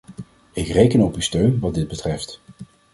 Ik reken op uw steun wat dit betreft.